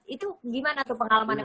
itu gimana tuh pengalamannya